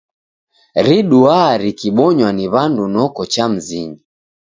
Riduaa rikibonywa ni w'andu noko cha mizinyi.